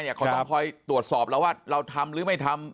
เขาต้องคอยตรวจสอบเราว่าเราทำหรือไม่ทำ